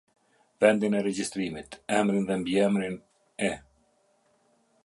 Vendin e regjistrimit: emrin dhe mbiemrin: e.